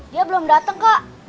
dia belum dateng kok